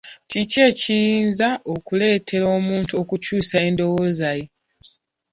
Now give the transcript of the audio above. Kiki ekiyinza okuleetera omuntu okukyusa endowooza ye?